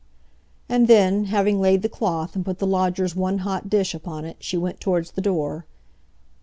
And then, having laid the cloth, and put the lodger's one hot dish upon it, she went towards the door.